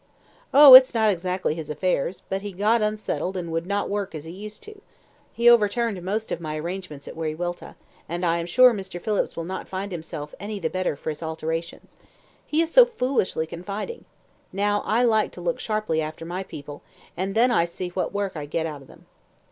"Oh, it's not exactly his affairs, but he got unsettled and would not work as he used to do. He overturned most of my arrangements at Wiriwilta; and I am sure Mr. Phillips will not find himself any the better for his alterations. He is so foolishly confiding. Now, I like to look sharply after my people, and then I see what work I get out of them."